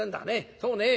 そうね